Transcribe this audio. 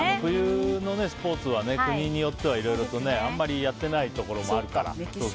冬のスポーツは国によってはいろいろと、あまりやっていないところもあるから。